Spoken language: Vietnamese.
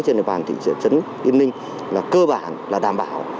trên địa bàn thị trấn yên ninh là cơ bản là đảm bảo